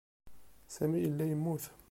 Sami yella yemmut.